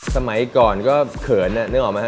สมัยก่อนก็เขินอะนึกออกมั้ยฮะ